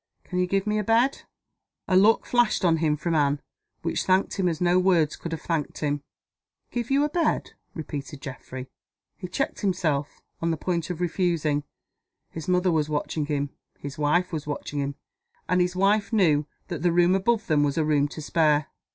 Can you give me a bed?" A look flashed on him from Anne, which thanked him as no words could have thanked him. "Give you a bed?" repeated Geoffrey. He checked himself, on the point of refusing. His mother was watching him; his wife was watching him and his wife knew that the room above them was a room to spare.